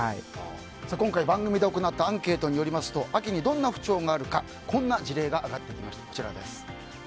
今回、番組で行ったアンケートによりますと秋にどんな不調があるかこんな事例が上がってきました。